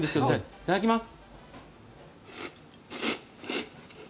いただきます。